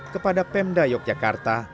kepada pemda yogyakarta